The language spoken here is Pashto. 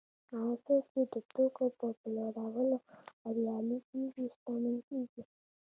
هغه څوک چې د توکو په پلورلو بریالي کېږي شتمن کېږي